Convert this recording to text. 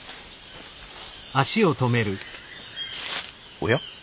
おや？